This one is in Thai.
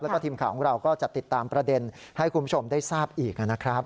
แล้วก็ทีมข่าวของเราก็จะติดตามประเด็นให้คุณผู้ชมได้ทราบอีกนะครับ